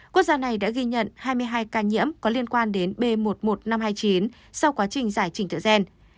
quốc gia này đã ghi nhận hai mươi hai ca nhiễm có liên quan đến b một mươi một nghìn năm trăm hai mươi chín sau quá trình giải trình tự gen